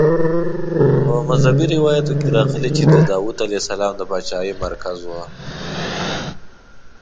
په مذهبي روایاتو کې راغلي چې د داود علیه السلام د پاچاهۍ مرکز وه.